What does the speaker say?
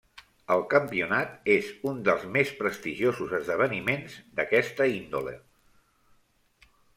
El campionat és un dels més prestigiosos esdeveniments d'aquesta índole.